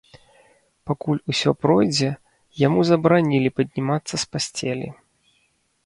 Пакуль усё пройдзе, яму забаранілі паднімацца з пасцелі.